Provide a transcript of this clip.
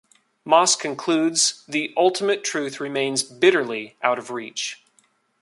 Moss concludes, the ultimate truth remains bitterly out of reach.